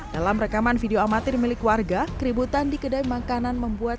dalam rekaman video amatir milik warga keributan di kedai makanan membuat